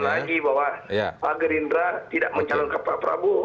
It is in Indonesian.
jadi tidak ada perangkuan lagi bahwa pak gerindra tidak mencalon ke pak prabowo